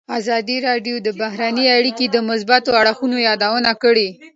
ازادي راډیو د بهرنۍ اړیکې د مثبتو اړخونو یادونه کړې.